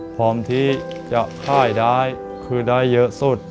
พร้อมที่จะค่ายได้คือได้เยอะสุด